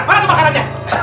udah habis pak ustadz